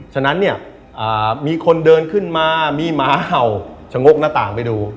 ฉะนั้นเนี่ยมีคนเดินขึ้นมามีหมาเห่าชะงกหน้าต่างไปดู